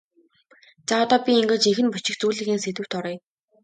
За одоо би ингээд жинхэнэ бичих зүйлийнхээ сэдэвт оръё.